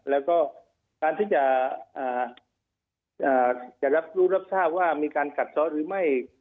แล้วก็การที่จะรับรู้รับทราบว่ามีการกัดซ้อนหรือไม่